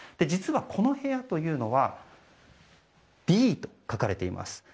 実はこの部屋というのは「Ｄ」と書かれています。